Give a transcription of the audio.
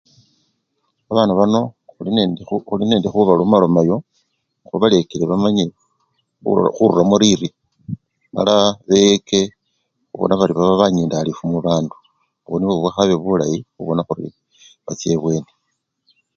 Abana bano khuli nee! khuli nende khubaloma lomayo khubalekele bamanye khulo! khururamo lirye mala beke khubona bari baba banyindalifu mubandu obwo nibwo bukhabe bulayi khubona bari bacha ebweni.